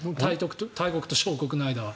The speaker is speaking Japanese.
大国と小国の間は。